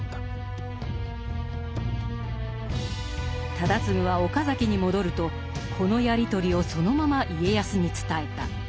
忠次は岡崎に戻るとこのやり取りをそのまま家康に伝えた。